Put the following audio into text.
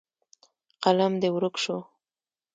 قلم دې ورک شو.